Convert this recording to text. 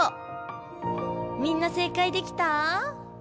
みんな正解できた？